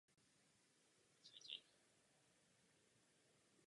Mohl byste si tuto konverzaci vyřídit jinde než ve sněmovně?